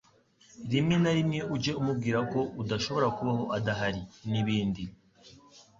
Rimwe na rimwe ujye umubwira ko udashobora kubaho adahari, n’ibindi